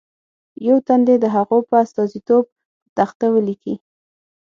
یو تن دې د هغو په استازیتوب په تخته ولیکي.